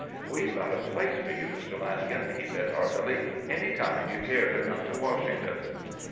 "We've got a place for you, Mr. Lanagan," he said, heartily, "any time you care to come to Washington."